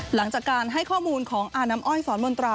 หลังจากการให้ข้อมูลของอาน้ำอ้อยสอนมนตรา